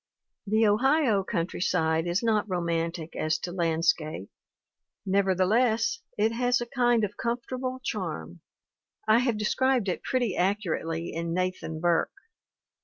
"The Ohio countryside is not romantic as to land scape ; nevertheless, it has a kind of comfortable charm ; I have described it pretty accurately in Nathan Burke.